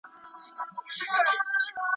هغه وایي چي موضوع یې ډېره سخته ده.